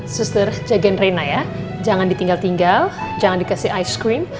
suster ja genrena ya jangan ditinggal tinggal jangan dikasih ice cream